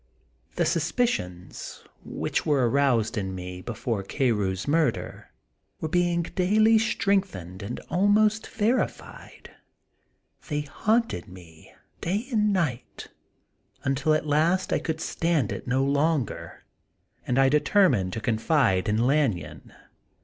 The suspicions which were aroused in me, before Carew's murder, were being daily strengthened and almost verified. They haunted me day and night, until at last I could stand it no longer, and I de termined to confide in Lanyon.